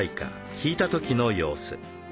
聞いた時の様子。